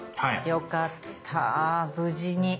よかった無事に。